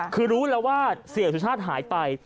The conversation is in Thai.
คือรู้แล้วว่าเสียสุชาติหายไป